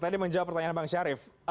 tadi menjawab pertanyaan bang syarif